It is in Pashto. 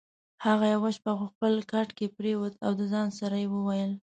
هغه یوه شپه په خپل کټ کې پرېوت او د ځان سره یې وویل: